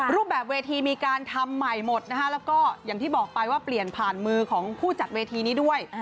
รูปแบบเวทีมีการทำใหม่หมดนะคะแล้วก็อย่างที่บอกไปว่าเปลี่ยนผ่านมือของผู้จัดเวทีนี้ด้วย